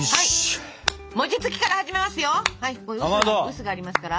臼がありますから。